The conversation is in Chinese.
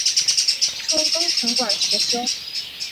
充功臣馆协修。